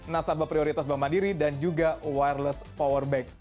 nasabah prioritas bank mandiri dan juga wireless powerbank